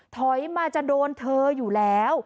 ถอยมาจะโดนเธออยู่แล้ว